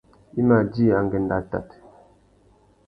I mà djï angüêndô atát.